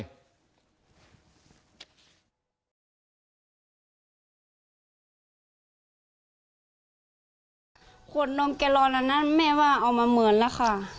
ขวดนมแกลลอนอันนั้นแม่ว่าเอามาเหมือนแล้วค่ะ